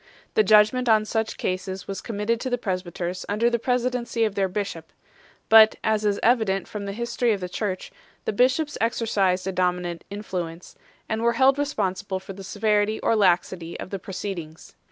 The judgement on such cases was committed to the presbyters under the presidency of their bishop; but, as is evident from the history of the Church, the bishops exercised a dominant influence, and were held responsible for the severity or laxity of the proceedings.